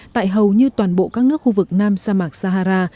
tại hầu như toàn bộ các nước khu vực nam sa mạc sahara